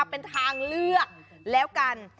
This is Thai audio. เป็นทางเลือกแล้วกัน